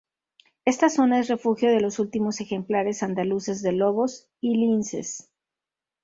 Esta zona es refugio de los últimos ejemplares andaluces de lobos y linces.